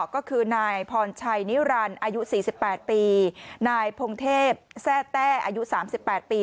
ก็คือนายพรชัยนิรันดิ์อายุ๔๘ปีนายพงเทพแทร่แต้อายุ๓๘ปี